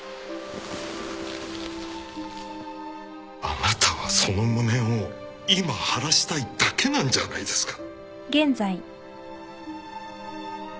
あなたはその無念を今晴らしたいだけなんじゃないですか？